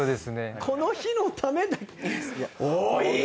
この日のためおい！